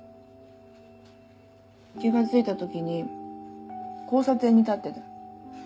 気が付いた時に交差点に立ってた。